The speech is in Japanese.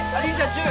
チュー。